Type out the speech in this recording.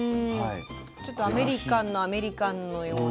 ちょっとアメリカンのアメリカンのような。